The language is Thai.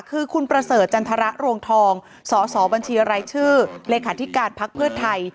คือคุณประเสริฐจันทรรวงทองสอสอบัญชีรายชื่อเลขาธิการพักเพื่อไทย